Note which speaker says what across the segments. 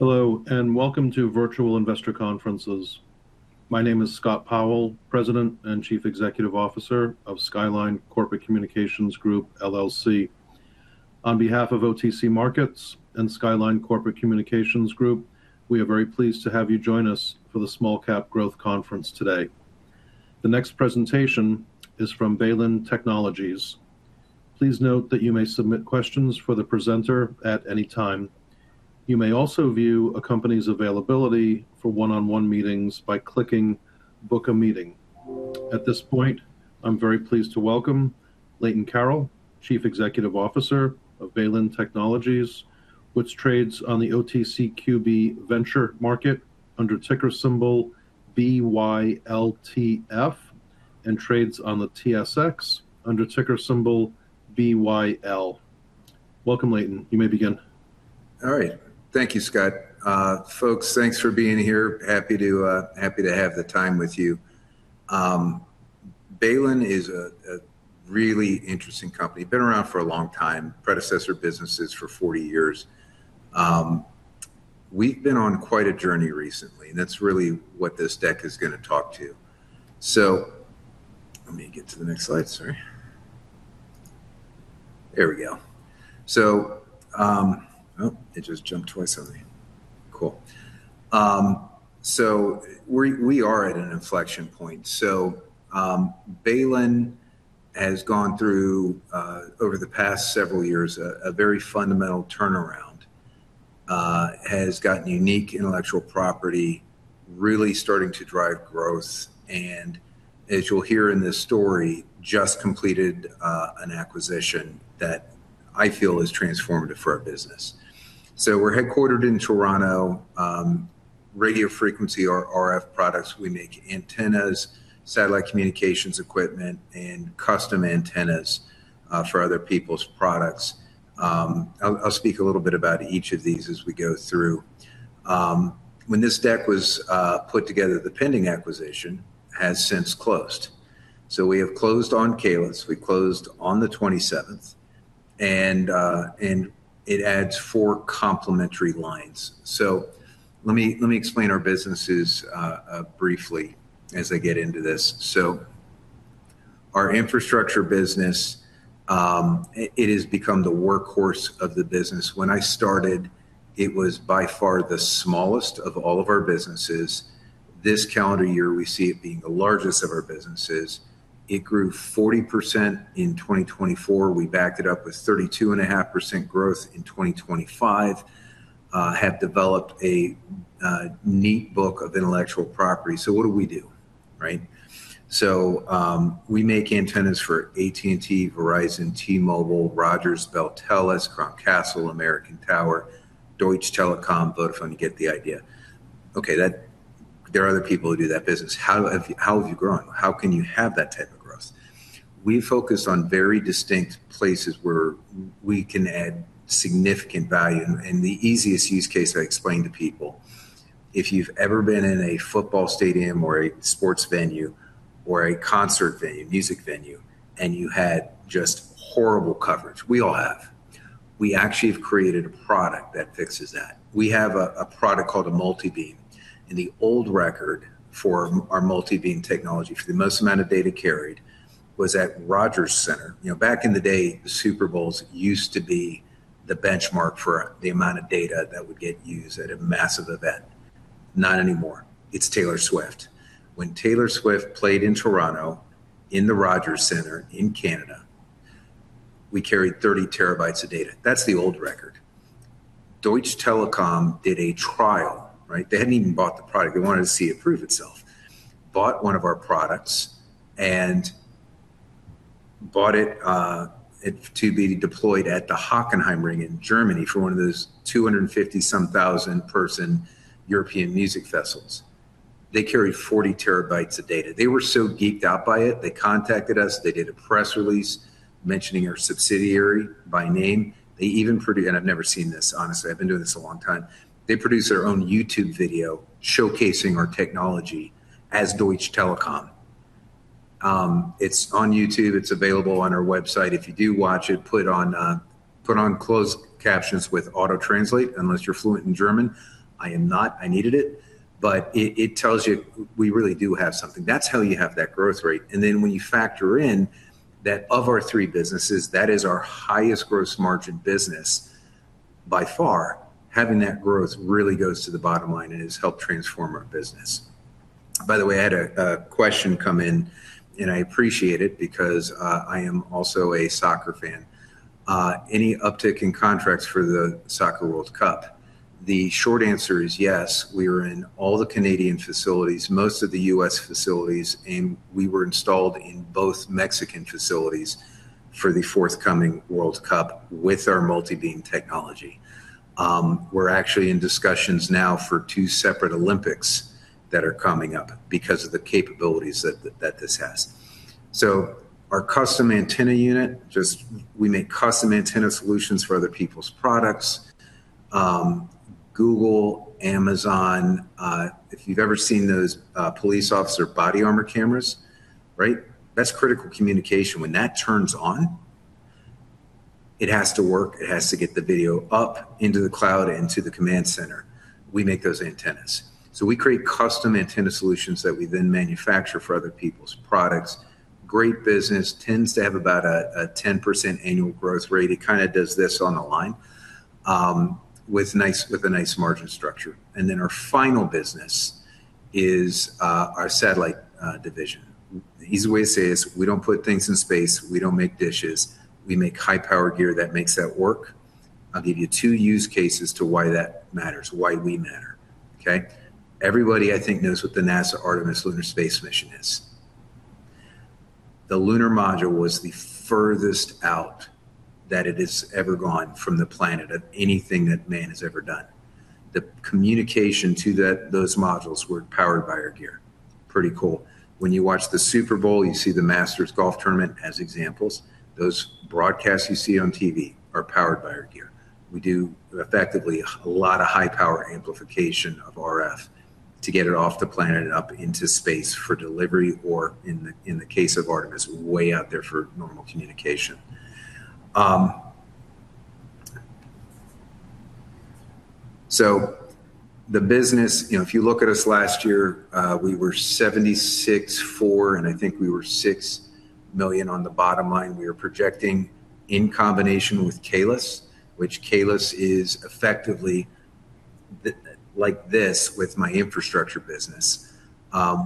Speaker 1: Hello, and welcome to Virtual Investor Conferences. My name is Scott Powell, President and Chief Executive Officer of Skyline Corporate Communications Group, LLC. On behalf of OTC Markets and Skyline Corporate Communications Group, we are very pleased to have you join us for the Small Cap Growth Conference today. The next presentation is from Baylin Technologies. Please note that you may submit questions for the presenter at any time. You may also view a company's availability for one-on-one meetings by clicking Book a Meeting. At this point, I'm very pleased to welcome Leighton Carroll, Chief Executive Officer of Baylin Technologies, which trades on the OTCQB Venture Market under ticker symbol BYLTF, and trades on the TSX under ticker symbol BYL. Welcome, Leighton. You may begin.
Speaker 2: All right. Thank you, Scott. Folks, thanks for being here. Happy to have the time with you. Baylin is a really interesting company. Been around for a long time, predecessor businesses for 40 years. We've been on quite a journey recently. That's really what this deck is going to talk to. Let me get to the next slide, sorry. There we go. It just jumped twice on me. Cool. We are at an inflection point. Baylin has gone through, over the past several years, a very fundamental turnaround. Has gotten unique intellectual property, really starting to drive growth, and as you'll hear in this story, just completed an acquisition that I feel is transformative for our business. We're headquartered in Toronto. Radio frequency or RF products. We make antennas, satellite communications equipment, and custom antennas for other people's products. I'll speak a little bit about each of these as we go through. When this deck was put together, the pending acquisition has since closed. We have closed on Kaelus. We closed on the 27th, and it adds four complementary lines. Let me explain our businesses briefly as I get into this. Our infrastructure business, it has become the workhorse of the business. When I started, it was by far the smallest of all of our businesses. This calendar year, we see it being the largest of our businesses. It grew 40% in 2024. We backed it up with 32.5% growth in 2025. Have developed a neat book of intellectual property. What do we do, right? We make antennas for AT&T, Verizon, T-Mobile, Rogers, Telus, Crown Castle, American Tower, Deutsche Telekom, Vodafone, you get the idea. Okay, there are other people who do that business. How have you grown? How can you have that type of growth? We focus on very distinct places where we can add significant value, and the easiest use case I explain to people, if you've ever been in a football stadium or a sports venue or a concert venue, music venue, and you had just horrible coverage. We all have. We actually have created a product that fixes that. We have a product called a multibeam, and the old record for our multibeam technology for the most amount of data carried was at Rogers Centre. Back in the day, the Super Bowls used to be the benchmark for the amount of data that would get used at a massive event. Not anymore. It's Taylor Swift. When Taylor Swift played in Toronto in the Rogers Centre in Canada, we carried 30 terabytes of data. That's the old record. Deutsche Telekom did a trial, right? They hadn't even bought the product. They wanted to see it prove itself. Bought one of our products, and bought it to be deployed at the Hockenheimring in Germany for one of those 250,000-person European music festivals. They carried 40 terabytes of data. They were so geeked out by it, they contacted us, they did a press release mentioning our subsidiary by name. I've never seen this, honestly. I've been doing this a long time. They produced their own YouTube video showcasing our technology as Deutsche Telekom. It's on YouTube. It's available on our website. If you do watch it, put on closed captions with auto translate, unless you're fluent in German. I am not, I needed it, but it tells you we really do have something. That's how you have that growth rate. When you factor in that of our three businesses, that is our highest gross margin business by far. Having that growth really goes to the bottom line and has helped transform our business.
Speaker 1: By the way, I had a question come in, and I appreciate it because, I am also a soccer fan. Any uptick in contracts for the Soccer World Cup?
Speaker 2: The short answer is yes. We are in all the Canadian facilities, most of the U.S. facilities, and we were installed in both Mexican facilities for the forthcoming World Cup with our multibeam technology. We're actually in discussions now for two separate Olympics that are coming up because of the capabilities that this has. Our custom antenna unit, we make custom antenna solutions for other people's products. Google, Amazon, if you've ever seen those police officer body armor cameras, right? That's critical communication. When that turns on, it has to work. It has to get the video up into the cloud and to the command center. We make those antennas. We create custom antenna solutions that we then manufacture for other people's products. Great business. Tends to have about a 10% annual growth rate. It kind of does this on a line with a nice margin structure. Our final business is our satellite division. The easy way to say is we don't put things in space. We don't make dishes. We make high-power gear that makes that work. I'll give you two use cases to why that matters, why we matter. Okay? Everybody, I think, knows what the NASA Artemis lunar space mission is. The lunar module was the furthest out that it has ever gone from the planet of anything that man has ever done. The communication to those modules were powered by our gear. Pretty cool. When you watch the Super Bowl, you see the Masters golf tournament as examples, those broadcasts you see on TV are powered by our gear. We do effectively a lot of high-power amplification of RF to get it off the planet and up into space for delivery or, in the case of Artemis, way out there for normal communication. The business, if you look at us last year, we were 76.4 million, and I think we were 6 million on the bottom line. We are projecting in combination with Kaelus, which Kaelus is effectively like this with my infrastructure business.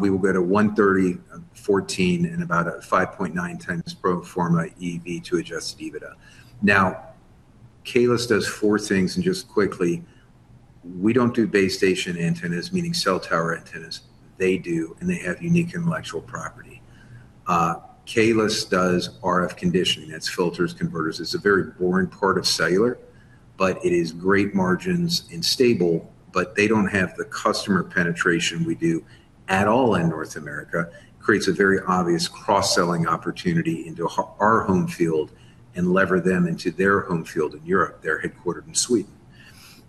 Speaker 2: We will go to 130, 14, and about a 5.9x pro forma EV to adjusted EBITDA. Kaelus does four things, just quickly, we don't do base station antennas, meaning cell tower antennas. They do, they have unique intellectual property. Kaelus does RF conditioning. That's filters, converters. It's a very boring part of cellular, it is great margins and stable, they don't have the customer penetration we do at all in North America. Creates a very obvious cross-selling opportunity into our home field lever them into their home field in Europe. They're headquartered in Sweden,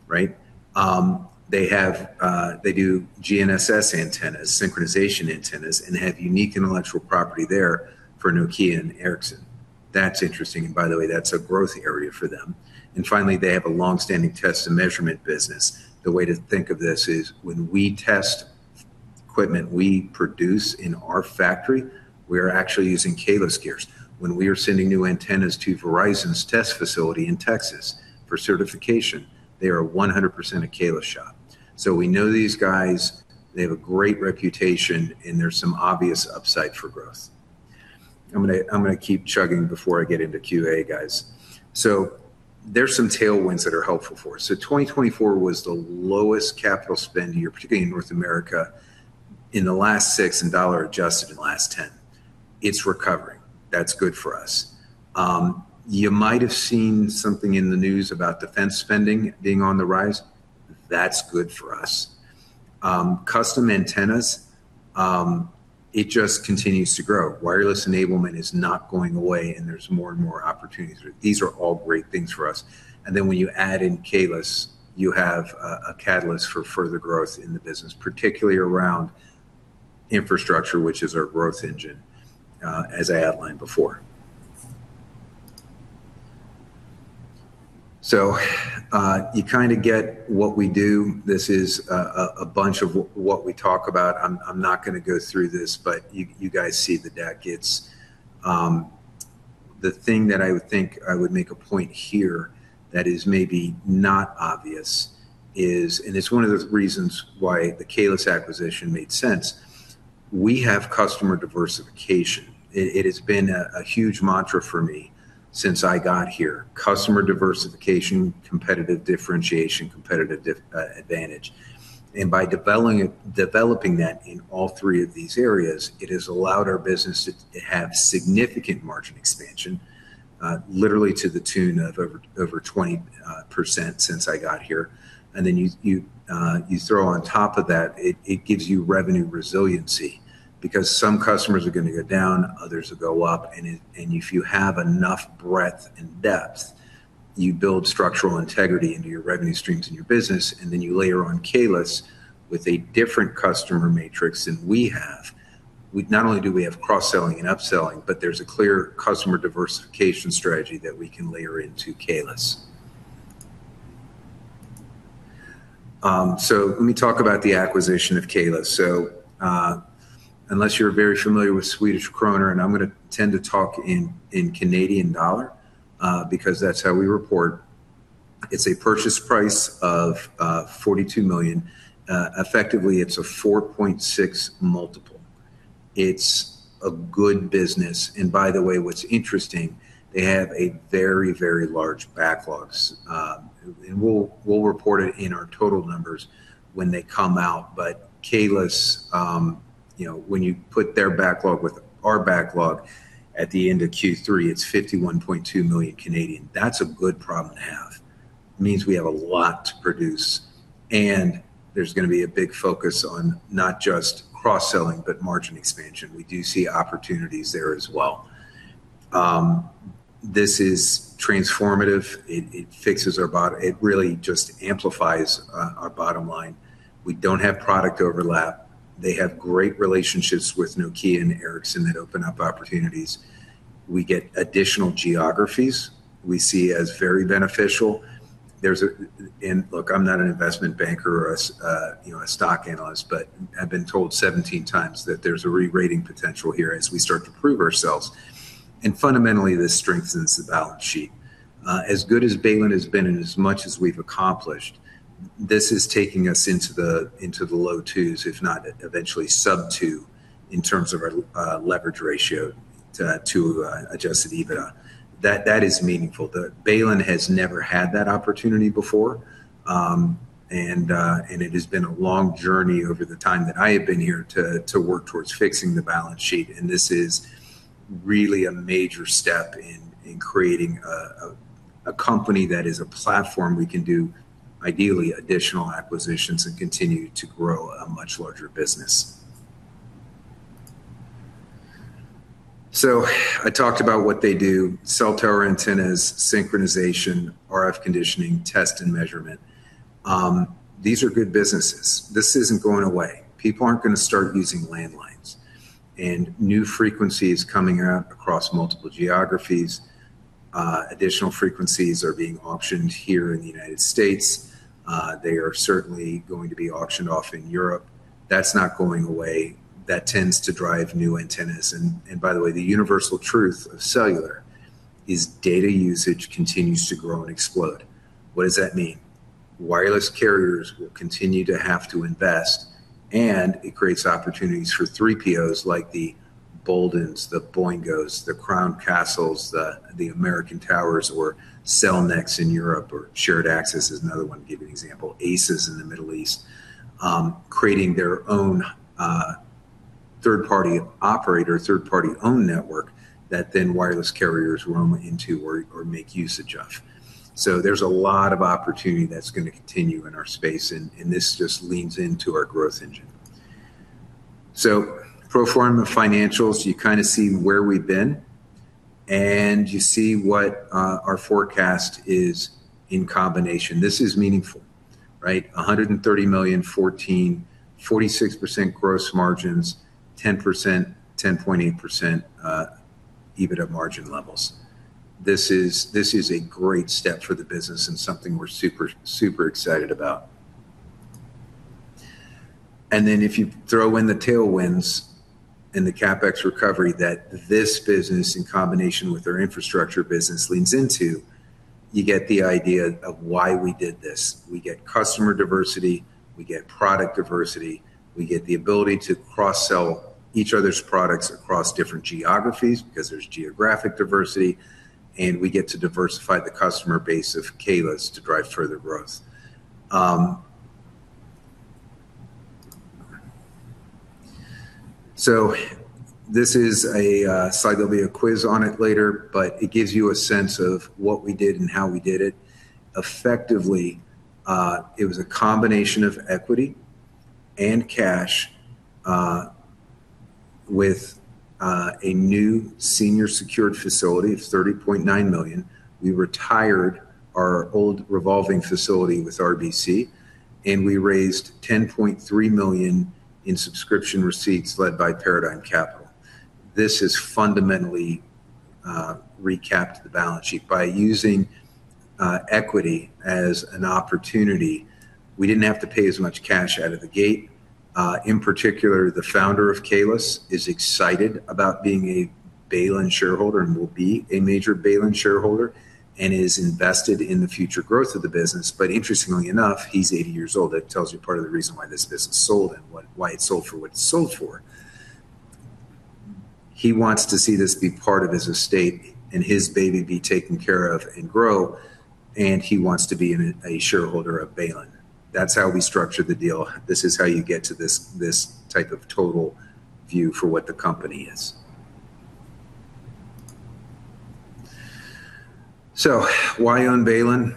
Speaker 2: right? They do GNSS antennas, synchronization antennas, have unique intellectual property there for Nokia and Ericsson. That's interesting. By the way, that's a growth area for them. Finally, they have a longstanding test and measurement business. The way to think of this is when we test equipment we produce in our factory, we are actually using Kaelus gears. When we are sending new antennas to Verizon's test facility in Texas for certification, they are 100% a Kaelus shop. We know these guys. They have a great reputation, and there's some obvious upside for growth. I'm going to keep chugging before I get into QA, guys. There's some tailwinds that are helpful for us. 2024 was the lowest capital spend year, particularly in North America, in the last six and dollar adjusted in the last 10. It's recovering. That's good for us. You might have seen something in the news about defense spending being on the rise. That's good for us. Custom antennas, it just continues to grow. Wireless enablement is not going away, and there's more and more opportunities. These are all great things for us. When you add in Kaelus, you have a catalyst for further growth in the business, particularly around infrastructure, which is our growth engine, as I outlined before. You kind of get what we do. This is a bunch of what we talk about. I'm not going to go through this. You guys see the deck. The thing that I would think I would make a point here that is maybe not obvious is, it's one of the reasons why the Kaelus acquisition made sense, we have customer diversification. It has been a huge mantra for me since I got here. Customer diversification, competitive differentiation, competitive advantage. By developing that in all three of these areas, it has allowed our business to have significant margin expansion, literally to the tune of over 20% since I got here. Then you throw on top of that, it gives you revenue resiliency because some customers are going to go down, others will go up. If you have enough breadth and depth, you build structural integrity into your revenue streams in your business, then you layer on Kaelus with a different customer matrix than we have. Not only do we have cross-selling and upselling, but there's a clear customer diversification strategy that we can layer into Kaelus. Let me talk about the acquisition of Kaelus. Unless you're very familiar with Swedish krona, I'm going to tend to talk in Canadian dollar because that's how we report. It's a purchase price of 42 million. Effectively, it's a 4.6x multiple. It's a good business. By the way, what's interesting, they have a very large backlogs. We'll report it in our total numbers when they come out. Kaelus, when you put their backlog with our backlog at the end of Q3, it's 51.2 million. That's a good problem to have. Means we have a lot to produce, and there's going to be a big focus on not just cross-selling, but margin expansion. We do see opportunities there as well. This is transformative. It really just amplifies our bottom line. We don't have product overlap. They have great relationships with Nokia and Ericsson that open up opportunities. We get additional geographies we see as very beneficial. Look, I'm not an investment banker or a stock analyst, but I've been told 17x that there's a re-rating potential here as we start to prove ourselves. Fundamentally, this strengthens the balance sheet. As good as Baylin has been and as much as we've accomplished, this is taking us into the low twos, if not eventually sub two in terms of our leverage ratio to adjusted EBITDA. That is meaningful. Baylin has never had that opportunity before, and it has been a long journey over the time that I have been here to work towards fixing the balance sheet, and this is really a major step in creating a company that is a platform we can do, ideally, additional acquisitions and continue to grow a much larger business. I talked about what they do, cell tower antennas, synchronization, RF conditioning, test and measurement. These are good businesses. This isn't going away. People aren't going to start using landlines. New frequencies coming out across multiple geographies, additional frequencies are being auctioned here in the U.S. They are certainly going to be auctioned off in Europe. That's not going away. That tends to drive new antennas. By the way, the universal truth of cellular is data usage continues to grow and explode. What does that mean? Wireless carriers will continue to have to invest, and it creates opportunities for TPOs like the Boldyn Networks, the Boingo, the Crown Castle, the American Tower, or Cellnex in Europe, or Shared Access is another one to give you an example, ACES in the Middle East, creating their own third-party operator, third-party owned network that then wireless carriers roam into or make usage of. There's a lot of opportunity that's going to continue in our space, and this just leans into our growth engine. Pro forma financials, you kind of see where we've been, and you see what our forecast is in combination. This is meaningful, right? 130 million, 14, 46% gross margins, 10%, 10.8% EBITDA margin levels. This is a great step for the business and something we're super excited about. If you throw in the tailwinds and the CapEx recovery that this business in combination with our infrastructure business leans into, you get the idea of why we did this. We get customer diversity. We get product diversity. We get the ability to cross-sell each other's products across different geographies because there's geographic diversity, we get to diversify the customer base of Kaelus to drive further growth. This is a slide, there'll be a quiz on it later, it gives you a sense of what we did and how we did it. Effectively, it was a combination of equity and cash, with a new senior secured facility of 30.9 million. We retired our old revolving facility with RBC, and we raised 10.3 million in subscription receipts led by Paradigm Capital. This has fundamentally recapped the balance sheet. By using equity as an opportunity, we didn't have to pay as much cash out of the gate. In particular, the founder of Kaelus is excited about being a Baylin shareholder and will be a major Baylin shareholder and is invested in the future growth of the business. Interestingly enough, he's 80 years old. That tells you part of the reason why this business sold and why it sold for what it sold for. He wants to see this be part of his estate and his baby be taken care of and grow, and he wants to be a shareholder of Baylin. That's how we structured the deal. This is how you get to this type of total view for what the company is. Why own Baylin?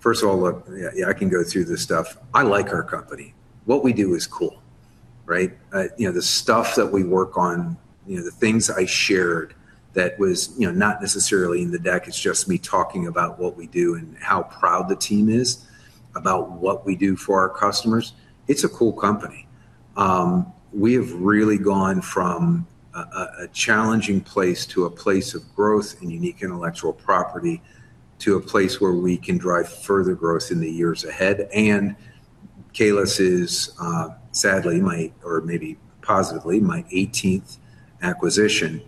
Speaker 2: First of all, look, I can go through this stuff. I like our company. What we do is cool, right? The stuff that we work on, the things I shared that was not necessarily in the deck, it's just me talking about what we do and how proud the team is about what we do for our customers. It's a cool company. We have really gone from a challenging place to a place of growth and unique intellectual property to a place where we can drive further growth in the years ahead. Kaelus is, sadly, or maybe positively, my 18th acquisition.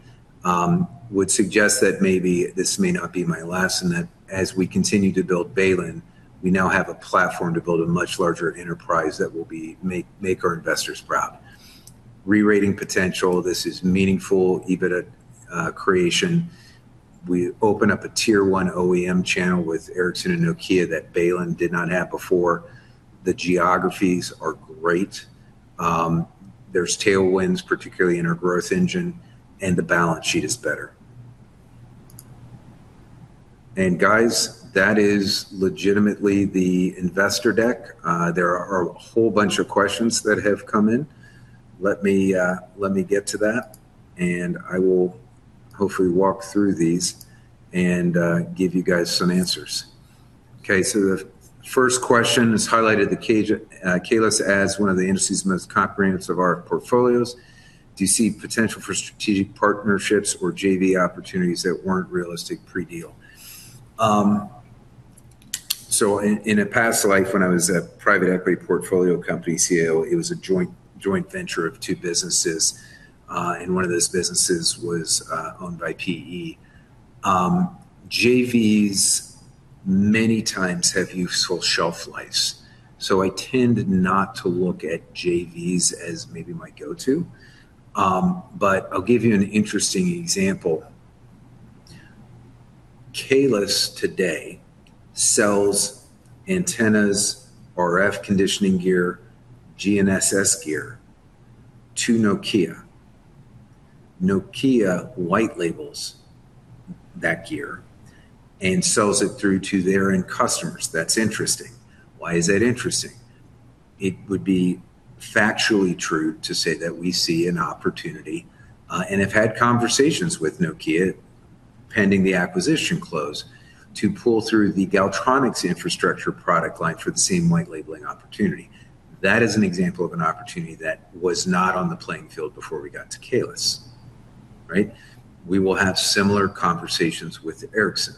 Speaker 2: Would suggest that maybe this may not be my last, and that as we continue to build Baylin, we now have a platform to build a much larger enterprise that will make our investors proud. Re-rating potential, this is meaningful. EBITDA creation. We open up a tier 1 OEM channel with Ericsson and Nokia that Baylin did not have before. The geographies are great. There's tailwinds, particularly in our growth engine, and the balance sheet is better. Guys, that is legitimately the investor deck. There are a whole bunch of questions that have come in. Let me get to that, and I will hopefully walk through these and give you guys some answers. The first question has highlighted the Kaelus as one of the industry's most comprehensive RF portfolios. Do you see potential for strategic partnerships or JV opportunities that weren't realistic pre-deal? In a past life, when I was a private equity portfolio company CEO, it was a joint venture of two businesses. One of those businesses was owned by PE. JVs many times have useful shelf life. I tend not to look at JVs as maybe my go-to. I'll give you an interesting example. Kaelus today sells antennas, RF conditioning gear, GNSS gear to Nokia. Nokia white labels that gear and sells it through to their end customers. That's interesting. Why is that interesting? It would be factually true to say that we see an opportunity, and have had conversations with Nokia pending the acquisition close, to pull through the Galtronics infrastructure product line for the same white labeling opportunity. That is an example of an opportunity that was not on the playing field before we got to Kaelus. Right? We will have similar conversations with Ericsson.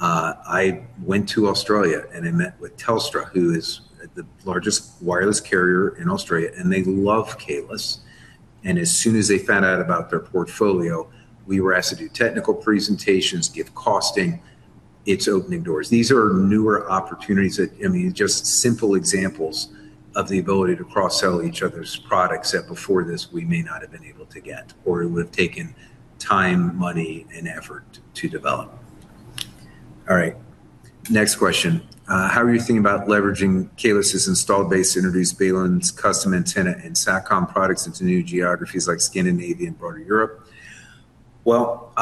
Speaker 2: I went to Australia. I met with Telstra, who is the largest wireless carrier in Australia, and they love Kaelus. As soon as they found out about their portfolio, we were asked to do technical presentations, give costing. It's opening doors. These are newer opportunities that, I mean, just simple examples of the ability to cross-sell each other's products that before this, we may not have been able to get or it would have taken time, money, and effort to develop. All right. Next question. How are you thinking about leveraging Kaelus' installed base to introduce Baylin's custom antenna and Satcom products into new geographies like Scandinavia and broader Europe? Well,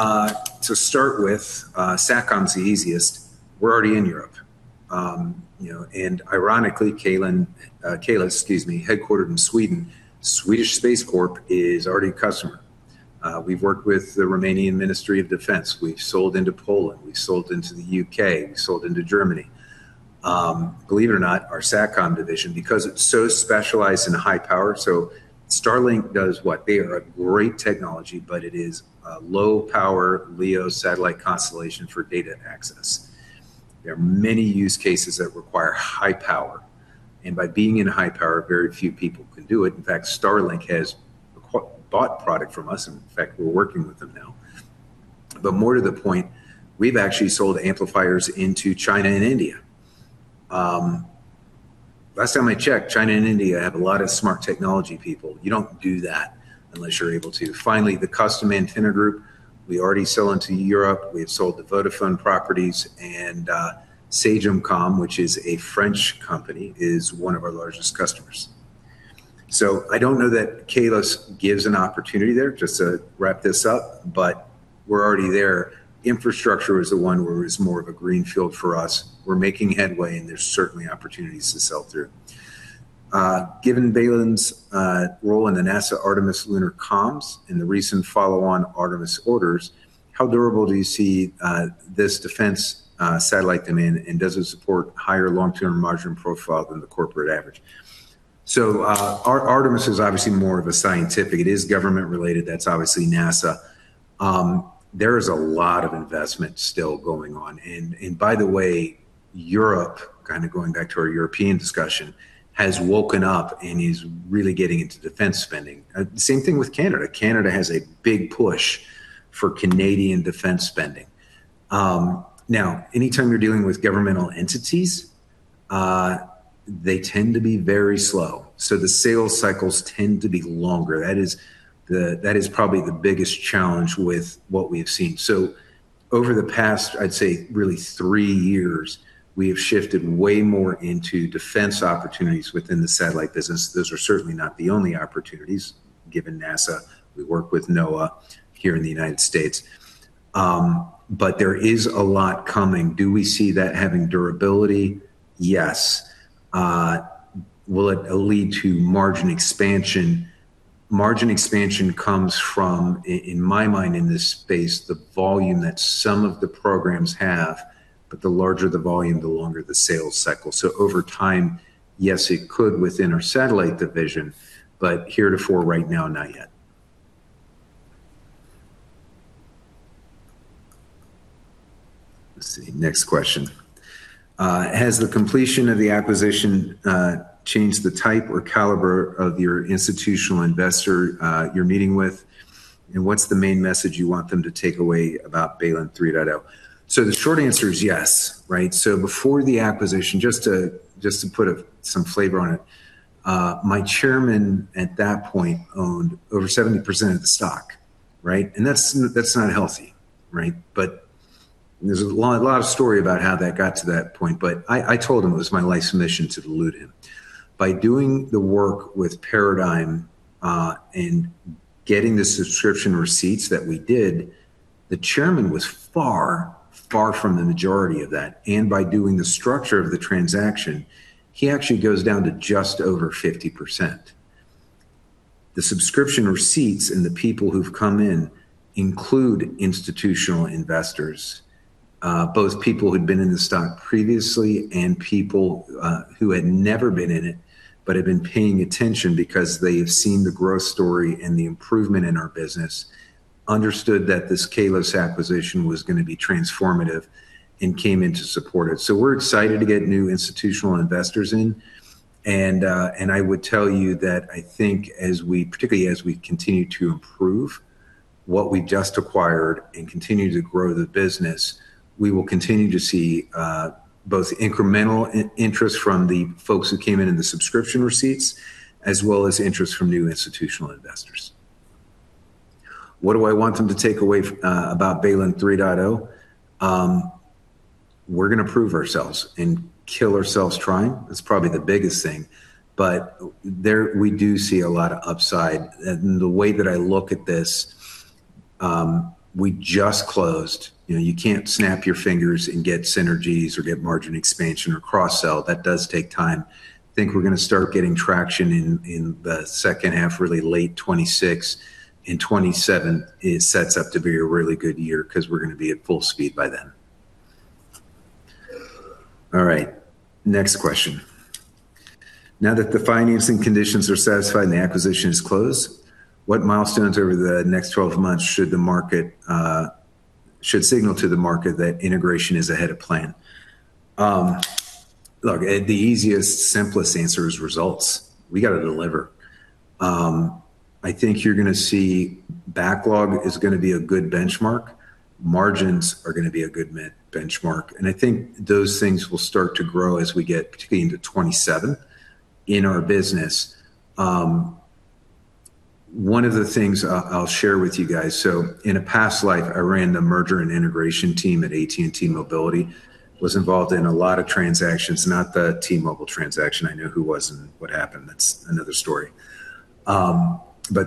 Speaker 2: to start with, Satcom's the easiest. We're already in Europe. Ironically, Baylin, Kaelus, excuse me, headquartered in Sweden, Swedish Space Corporation is already a customer. We've worked with the Romanian Ministry of National Defence. We've sold into Poland. We've sold into the U.K. We've sold into Germany. Believe it or not, our Satcom division, because it's so specialized in high power, so Starlink does what? They are a great technology, but it is a low-power LEO satellite constellation for data and access. There are many use cases that require high power, and by being in high power, very few people can do it. In fact, Starlink has bought product from us. In fact, we're working with them now. More to the point, we've actually sold amplifiers into China and India. Last time I checked, China and India have a lot of smart technology people. You don't do that unless you're able to. Finally, the custom antenna group, we already sell into Europe. We have sold to Vodafone Properties and Sagemcom, which is a French company, is one of our largest customers. I don't know that Kaelus gives an opportunity there, just to wrap this up, but we're already there. Infrastructure is the one where it's more of a greenfield for us. We're making headway, and there's certainly opportunities to sell through. Given Baylin's role in the NASA Artemis lunar comms and the recent follow-on Artemis orders, how durable do you see this defense satellite demand, and does it support higher long-term margin profile than the corporate average? Artemis is obviously more of a scientific. It is government-related. That's obviously NASA. There is a lot of investment still going on. By the way, Europe, kind of going back to our European discussion, has woken up and is really getting into defense spending. The same thing with Canada. Canada has a big push for Canadian defense spending. Anytime you're dealing with governmental entities, they tend to be very slow. The sales cycles tend to be longer. That is probably the biggest challenge with what we have seen. Over the past, I'd say really three years, we have shifted way more into defense opportunities within the satellite business. Those are certainly not the only opportunities, given NASA. We work with NOAA here in the United States. There is a lot coming. Do we see that having durability? Yes. Will it lead to margin expansion? Margin expansion comes from, in my mind in this space, the volume that some of the programs have, the larger the volume, the longer the sales cycle. Over time, yes, it could within our satellite division, but heretofore right now, not yet. Let's see. Next question. Has the completion of the acquisition changed the type or caliber of your institutional investor you're meeting with? What's the main message you want them to take away about Baylin 3.0? The short answer is yes. Right? Before the acquisition, just to put some flavor on it, my chairman at that point owned over 70% of the stock. Right? That's not healthy. Right? There's a lot of story about how that got to that point, but I told him it was my life's mission to dilute him. By doing the work with Paradigm, and getting the subscription receipts that we did, the chairman was far from the majority of that. By doing the structure of the transaction, he actually goes down to just over 50%. The subscription receipts and the people who've come in include institutional investors, both people who'd been in the stock previously and people who had never been in it, but had been paying attention because they have seen the growth story and the improvement in our business, understood that this Kaelus acquisition was going to be transformative, and came in to support it. We're excited to get new institutional investors in, and I would tell you that I think particularly as we continue to improve what we just acquired and continue to grow the business, we will continue to see both incremental interest from the folks who came in in the subscription receipts, as well as interest from new institutional investors. What do I want them to take away about Baylin 3.0? We're going to prove ourselves and kill ourselves trying. That's probably the biggest thing. We do see a lot of upside. The way that I look at this, we just closed. You can't snap your fingers and get synergies or get margin expansion or cross-sell. That does take time. I think we're going to start getting traction in the second half, really late 2026. 2027, it sets up to be a really good year because we're going to be at full speed by then. All right. Next question. Now that the financing conditions are satisfied and the acquisition is closed, what milestones over the next 12 months should signal to the market that integration is ahead of plan? Look, the easiest, simplest answer is results. We got to deliver. I think you're going to see backlog is going to be a good benchmark. Margins are going to be a good benchmark, and I think those things will start to grow as we get particularly into 2027 in our business. One of the things I'll share with you guys, so in a past life, I ran the merger and integration team at AT&T Mobility, was involved in a lot of transactions, not the T-Mobile transaction. I know who was and what happened. That's another story.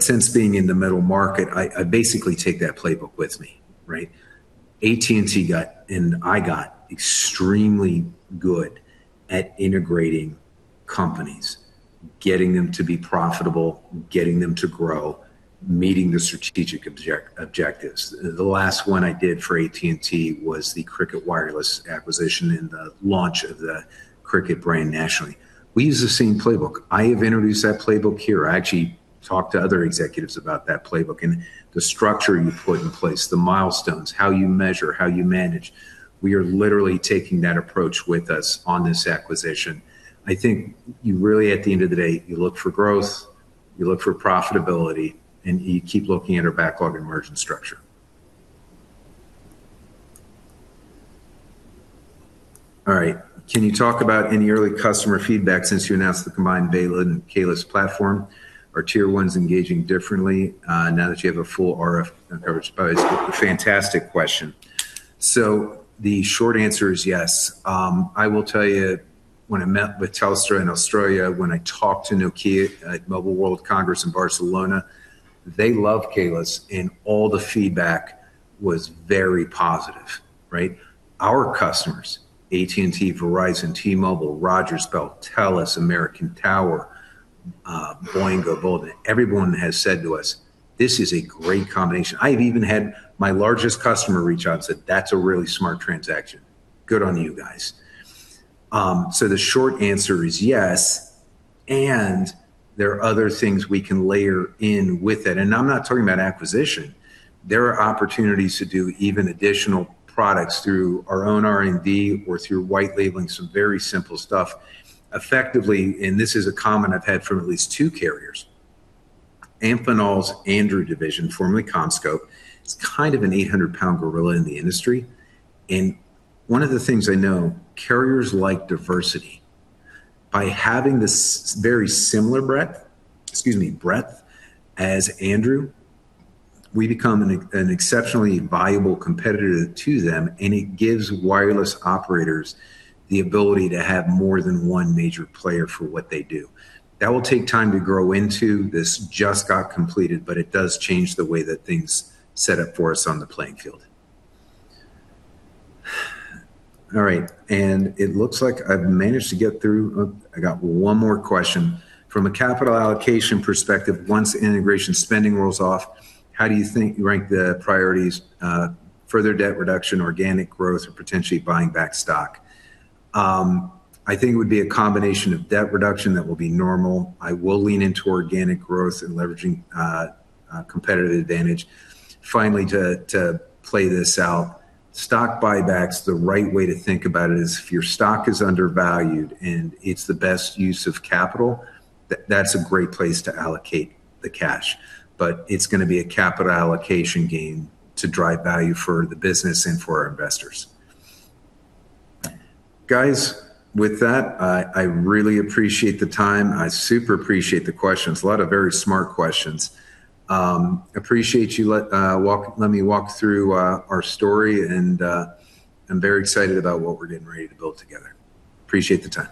Speaker 2: Since being in the middle market, I basically take that playbook with me. Right. AT&T got, and I got extremely good at integrating companies, getting them to be profitable, getting them to grow, meeting the strategic objectives. The last one I did for AT&T was the Cricket Wireless acquisition and the launch of the Cricket brand nationally. We use the same playbook. I have introduced that playbook here. I actually talked to other executives about that playbook and the structure you put in place, the milestones, how you measure, how you manage. We are literally taking that approach with us on this acquisition. I think you really, at the end of the day, you look for growth, you look for profitability, and you keep looking at our backlog and margin structure. All right. Can you talk about any early customer feedback since you announced the combined Baylin and Kaelus platform? Are tier 1s engaging differently now that you have a full RF coverage? Oh, it's a fantastic question. The short answer is yes. I will tell you, when I met with Telstra in Australia, when I talked to Nokia at Mobile World Congress in Barcelona, they love Kaelus, and all the feedback was very positive. Right. Our customers, AT&T, Verizon, T-Mobile, Rogers, Bell, Telus, American Tower, Boingo, Volta, everyone has said to us, "This is a great combination." I've even had my largest customer reach out and said, "That's a really smart transaction. Good on you guys." The short answer is yes, and there are other things we can layer in with it, and I'm not talking about acquisition. There are opportunities to do even additional products through our own R&D or through white labeling some very simple stuff effectively, and this is a comment I've had from at least two carriers. Amphenol's Andrew division, formerly CommScope, is kind of an 800-pound gorilla in the industry, and one of the things I know, carriers like diversity. By having this very similar breadth, excuse me, breadth as Andrew, we become an exceptionally valuable competitor to them. It gives wireless operators the ability to have more than one major player for what they do. That will take time to grow into. This just got completed. It does change the way that things set up for us on the playing field. All right. It looks like I've managed to get through. I got one more question. From a capital allocation perspective, once integration spending rolls off, how do you think you rank the priorities, further debt reduction, organic growth, or potentially buying back stock? I think it would be a combination of debt reduction that will be normal. I will lean into organic growth and leveraging competitive advantage. Finally, to play this out, stock buybacks, the right way to think about it is if your stock is undervalued and it's the best use of capital, that's a great place to allocate the cash. It's going to be a capital allocation game to drive value for the business and for our investors. Guys, with that, I really appreciate the time. I super appreciate the questions. A lot of very smart questions. Appreciate you letting me walk through our story, and I'm very excited about what we're getting ready to build together. Appreciate the time.